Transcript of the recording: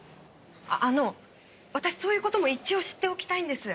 あの私そういう事も一応知っておきたいんです。